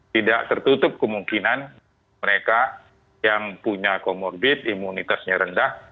tidak tertutup kemungkinan mereka yang punya comorbid imunitasnya rendah